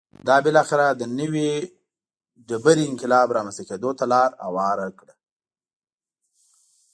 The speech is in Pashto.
دا بالاخره د نوې ډبرې انقلاب رامنځته کېدو ته لار هواره کړه